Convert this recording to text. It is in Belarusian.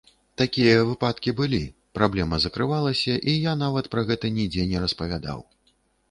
Такія выпадкі былі, праблема закрывалася, і я нават пра гэта нідзе не распавядаў.